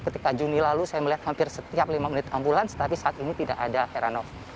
ketika juni lalu saya melihat hampir setiap lima menit ambulans tapi saat ini tidak ada heranov